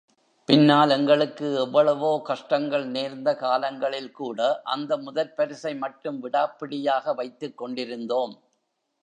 பின்னால் எங்களுக்கு எவ்வளவோ கஷ்டங்கள் நேர்ந்த காலங்களில்கூட அந்த முதற் பரிசை மட்டும் விடாப்பிடியாக வைத்துக் கொண்டிருந்தோம்.